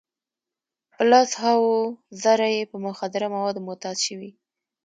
په لس هاوو زره یې په مخدره موادو معتاد شوي.